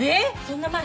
そんな前？